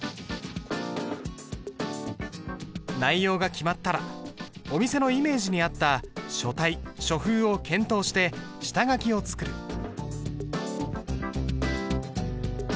内容が決まったらお店のイメージに合った書体書風を検討して下書きを作る。